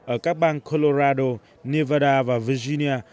ở các bang colorado nevada và virginia